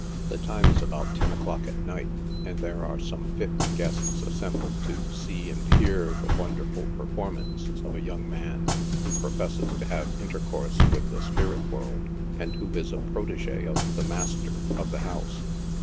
The time is about ten o'clock at night, and there are some fifty guests assembled to see and hear the wonderful performances of a young man who professes to Lave intercourse with the spirit world, and who is a protege of the mas ter of the house.